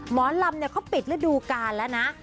หมอลำเขาปิดฤดูกาลแล้วนะ